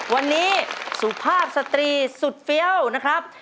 วันนี้สุภาพสตรีสุดเฟี้ยวนะครับ